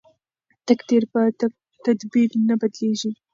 تقدیر په تدبیر نه بدلیږي.